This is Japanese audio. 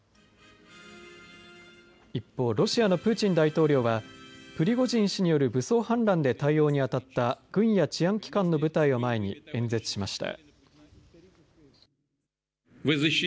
一方、ロシアのプーチン大統領はプリゴジン氏による武装反乱で対応に当たった軍や治安機関の部隊を前に演説しました。